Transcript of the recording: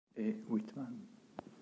E. Whitman.